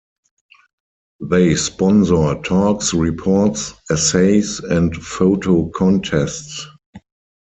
They sponsor talks, reports, essays and photo contests.